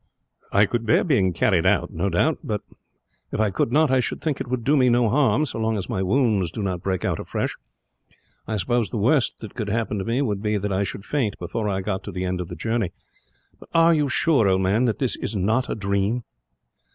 "I could bear being carried out, no doubt; but if I could not, I should think it would do me no harm, so long as my wounds do not break out afresh. I suppose the worst that could happen to me would be that I should faint, before I got to the end of the journey. "Are you sure, old man, that this is not a dream?"